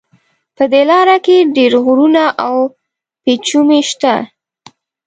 په دې لاره کې ډېر غرونه او پېچومي شته.